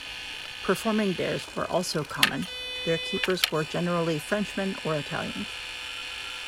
Performing bears were also common; their keepers were generally Frenchmen or Italians.